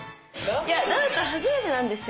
いやダウト初めてなんですよ。